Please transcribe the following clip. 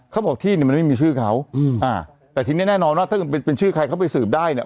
เขาบอกที่เนี่ยมันไม่มีชื่อเขาอืมอ่าแต่ทีนี้แน่นอนว่าถ้าเกิดเป็นเป็นชื่อใครเขาไปสืบได้เนี่ย